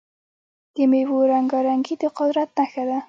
د میوو رنګارنګي د قدرت نښه ده.